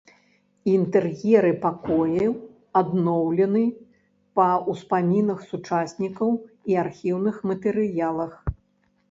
Інтэр'еры пакояў адноўлены па ўспамінах сучаснікаў і архіўных матэрыялах.